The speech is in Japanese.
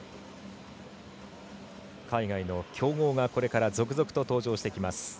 海外の強豪がこれから続々と登場してきます。